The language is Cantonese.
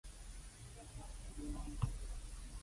滄海遺珠